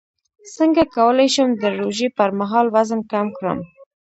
څنګه کولی شم د روژې پر مهال وزن کم کړم